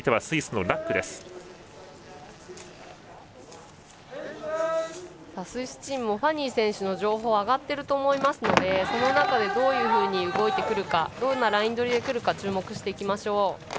スイスチームもファニー選手の情報が上がっていると思いますのでその中で、どういうふうに動いてくるかどんなライン取りでくるか注目していきましょう。